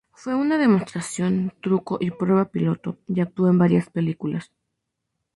Fue una demostración, truco y prueba piloto y actuó en varias películas.